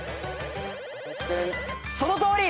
そのとおり！